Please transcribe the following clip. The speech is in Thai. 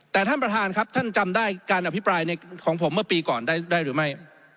แต่ท่านประธานครับท่านจำได้การอภิปรายของผมเมื่อปีก่อนได้หรือไม่